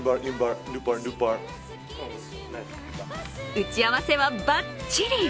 打ち合わせはバッチリ。